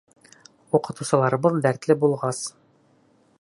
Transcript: Уҡытыусыларыбыҙ дәртле булғас!